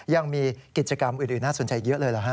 ยังมีกิจกรรมอื่นน่าสนใจเยอะเลยเหรอฮะ